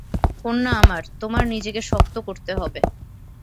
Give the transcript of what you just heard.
কন্যা আমার, তোমার নিজেকে শক্ত করতে হবে।